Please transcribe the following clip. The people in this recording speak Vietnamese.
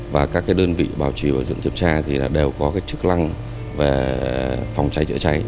và các đơn vị bảo trì bảo dưỡng kiểm tra thì đều có chức năng về phòng cháy cháy cháy